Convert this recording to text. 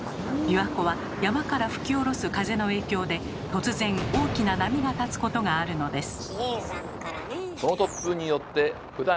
琵琶湖は山から吹き降ろす風の影響で突然大きな波が立つことがあるのです。